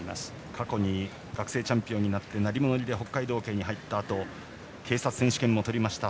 過去に学生チャンピオンになって鳴り物入りで北海道警に入ったあと警察選手権も取りました